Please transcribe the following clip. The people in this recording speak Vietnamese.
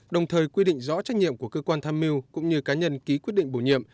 đồng thời quy định rõ trách nhiệm của cơ quan tham mưu cũng như cá nhân ký quyết định bổ nhiệm